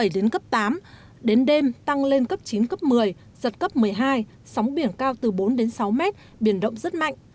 đến đêm tăng lên cấp chín một mươi giật cấp một mươi hai sóng biển cao từ bốn sáu m biển động rất mạnh